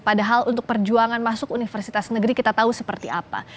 padahal untuk perjuangan masuk universitas negeri kita tahu seperti apa